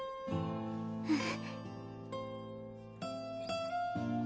うん。